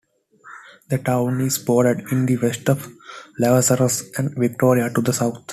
The town is bordered in the west by Lavezares and Victoria to the south.